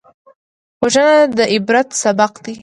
وژنه د عبرت سبق دی